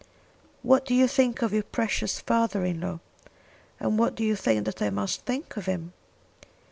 "What do you think of your precious father in law; and what do you think that I must think of him?